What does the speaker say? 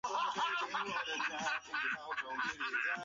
日冕和光球被相对较薄的一层色球分隔开来。